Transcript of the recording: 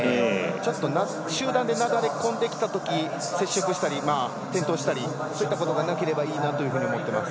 ちょっと集団で流れ込んできたとき接触したり転倒したりそういったことがなければいいなと思っています。